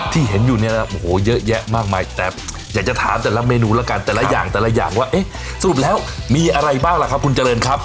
ที่เห็นอยู่เนี่ยนะโหโหเยอะแยะมากมายแต่อยากจะถามแต่ละเมนูแล้วกันทุกอย่างว่าสรุปแล้วมีอะไรบ้างล่ะครับครับคุณเจริญครับ